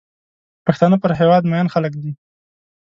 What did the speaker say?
پښتانه پر هېواد مین خلک دي.